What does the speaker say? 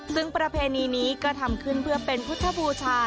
ซึ่งประเพณีนี้ก็ทำขึ้นเพื่อเป็นพุทธบูชา